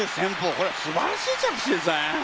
これはすばらしい着地ですね！